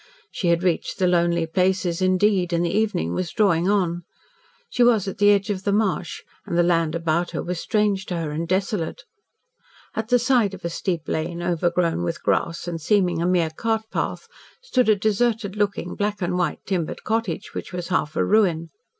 She had reached the lonely places, indeed and the evening was drawing on. She was at the edge of the marsh, and the land about her was strange to her and desolate. At the side of a steep lane, overgrown with grass, and seeming a mere cart path, stood a deserted looking, black and white, timbered cottage, which was half a ruin.